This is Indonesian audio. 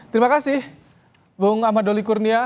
terima kasih bung ahmad doli kurnia